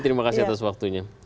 terima kasih atas waktunya